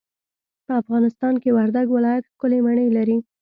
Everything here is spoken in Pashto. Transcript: په افغانستان کي وردګ ولايت ښکلې مڼې لري.